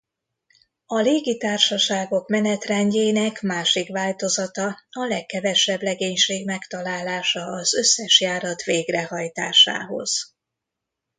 A légitársaságok menetrendjének másik változata a legkevesebb legénység megtalálása az összes járat végrehajtásához.